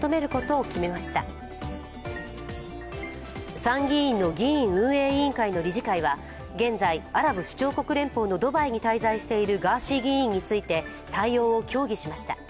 参議院の議院運営委員会の理事会は現在、アラブ首長国連邦のドバイに滞在しているガーシー議員について対応を協議しました。